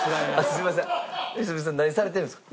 すいません良純さん何されてるんですか？